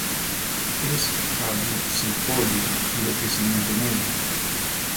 Es caducifolio y de crecimiento medio.